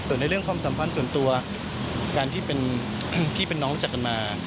ส่วนในเรื่องความสัมพันธ์ส่วนตัวการที่เป็นพี่เป็นน้องรู้จักกันมา